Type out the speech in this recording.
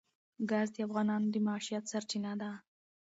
ګاز د افغانانو د معیشت سرچینه ده.